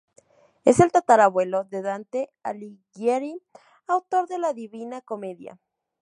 Es el tatarabuelo de Dante Alighieri, autor de "La Divina Comedia".